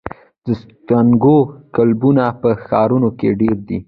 د سنوکر کلبونه په ښارونو کې ډېر دي.